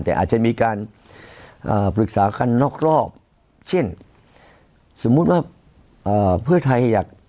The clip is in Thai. แต่อาจจะมีการปรึกษากันนอกรอบเช่นสมมุติว่าเพื่อไทยอยาก